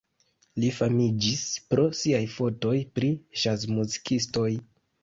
Li famiĝis pro siaj fotoj pri ĵazmuzikistoj.